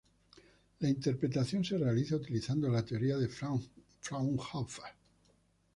La interpretación se realiza utilizando la teoría de Fraunhofer.